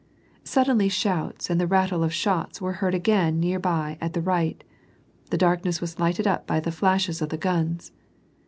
Suddenly shouts and the rattle of shots were heard again near by at the right. The darkness was lighted up by the flashes of the guns.